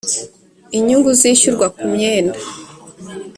inyungu zishyurwa ku myenda